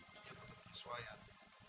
dia butuh persoalan